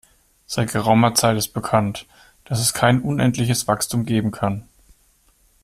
Seit geraumer Zeit ist bekannt, dass es kein unendliches Wachstum geben kann.